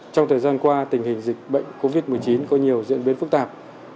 trong thời gian qua tình hình dịch bệnh covid một mươi chín có nhiều diễn biến phức tạp